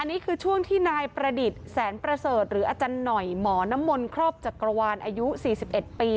นี่คือช่วงที่นายประดิษฐ์แสนประเสริฐหรืออาจารย์หน่อยหมอน้ำมนต์ครอบจักรวาลอายุ๔๑ปี